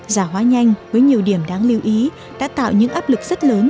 giả hóa nhanh với nhiều điểm đáng lưu ý đã tạo những áp lực rất lớn